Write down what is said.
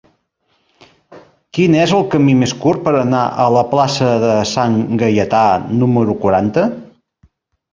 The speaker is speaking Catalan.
Quin és el camí més curt per anar a la plaça de Sant Gaietà número quaranta?